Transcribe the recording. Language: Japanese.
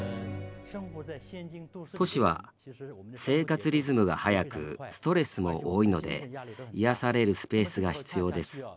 都市は生活リズムが速くストレスも多いので癒やされるスペースが必要です。